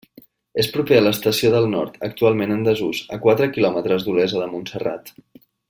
És proper a l'estació del Nord, actualment en desús, a quatre quilòmetres d'Olesa de Montserrat.